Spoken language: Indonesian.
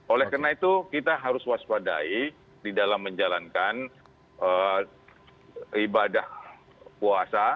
oleh karena itu kita harus waspadai di dalam menjalankan ibadah puasa